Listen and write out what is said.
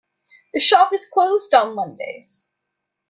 The shop is closed on Mondays.